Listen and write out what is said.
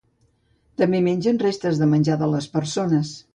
També mengen restes de menjar de les persones.